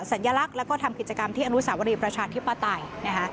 สัญลักษณ์แล้วก็ทำกิจกรรมที่อนุสาวรีประชาธิปไตยนะคะ